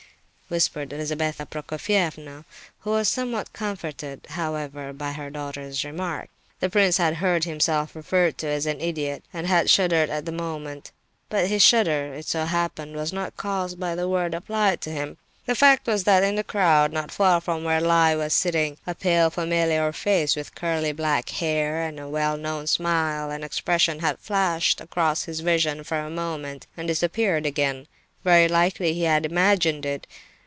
whispered Lizabetha Prokofievna, who was somewhat comforted, however, by her daughter's remark. The prince had heard himself referred to as "idiot," and had shuddered at the moment; but his shudder, it so happened, was not caused by the word applied to him. The fact was that in the crowd, not far from where he was sitting, a pale familiar face, with curly black hair, and a well known smile and expression, had flashed across his vision for a moment, and disappeared again. Very likely he had imagined it!